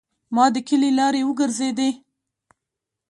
ما د کلي لارې وګرځیدې.